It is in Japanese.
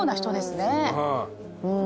うん。